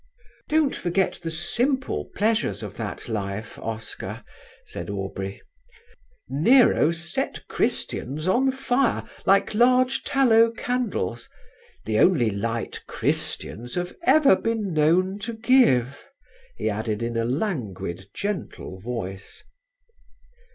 "Don't forget the simple pleasures of that life, Oscar," said Aubrey; "Nero set Christians on fire, like large tallow candles; the only light Christians have ever been known to give," he added in a languid, gentle voice.